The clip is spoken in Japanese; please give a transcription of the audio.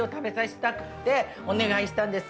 お願いしたんです。